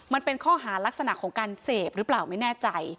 มันเป็นข้อหารักษณะของการเสพหรือเปล่าไม่แน่ใจ